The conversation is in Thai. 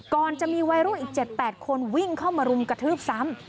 ก่อนจะมีวัยรุ่นอีก๗๘คนวิ่งเข้ามารุมกระทืบซ้ำ